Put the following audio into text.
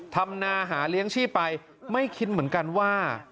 ทำนาหาเลี้ยงชีพไปไม่คิดเหมือนกันว่า